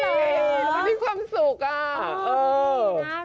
นี่นี่ความสุขอ่ะ